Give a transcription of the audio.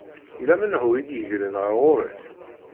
Yella menhu i d-yegren ɣer ɣur-k?